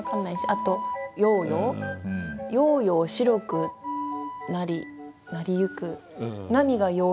あと「やうやう白くなり」「なりゆく」。